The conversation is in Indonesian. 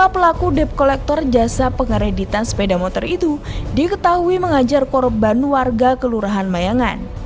lima pelaku dep kolektor jasa pengereditan sepeda motor itu diketahui mengajar korban warga kelurahan mayangan